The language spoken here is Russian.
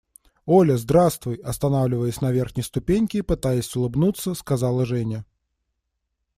– Оля, здравствуй! – останавливаясь на верхней ступеньке и пытаясь улыбнуться, сказала Женя.